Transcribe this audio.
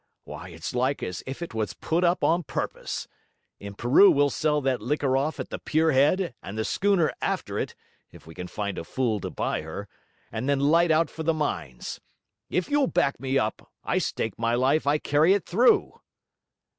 why, it's like as if it was put up on purpose. In Peru we'll sell that liquor off at the pier head, and the schooner after it, if we can find a fool to buy her; and then light out for the mines. If you'll back me up, I stake my life I carry it through.'